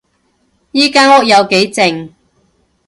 依間屋有幾靜